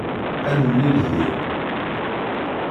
Ad nemlil din.